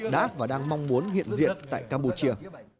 đã và đang mong muốn hiện diện tại campuchia